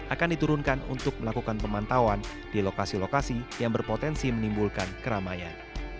akan diturunkan untuk melakukan pemantauan di lokasi lokasi yang berpotensi menimbulkan keramaian